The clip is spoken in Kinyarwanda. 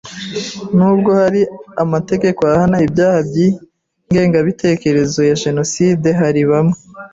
Nubwo hari amategeko ahana ibyaha by ingengabitekerezo ya jenoside hari bamwe